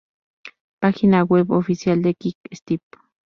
Página web oficial de Quick Step